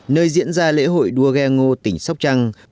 nơi diễn ra lễ hội đua ghe ngô tỉnh sóc trăng